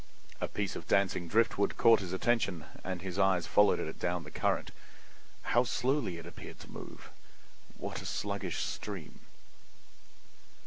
A piece of dancing driftwood caught his attention and his eyes followed it down the current. How slowly it appeared to move! What a sluggish stream!